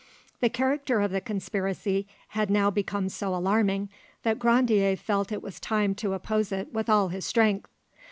The character of the conspiracy had now become so alarming that Grandier felt it was time to oppose it with all his strength.